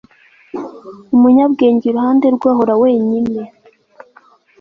Umunyabwenge iruhande rwe ahora wenyine